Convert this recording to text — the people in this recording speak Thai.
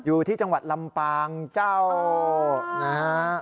อยู่ที่จังหวัดลำปางเจ้านะฮะ